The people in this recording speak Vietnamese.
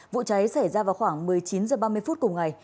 vụ cháy xảy ra vào khoảng một mươi chín h ba mươi phút cùng ngày